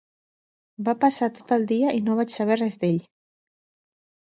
Va passar tot el dia i no vaig saber res d'ell.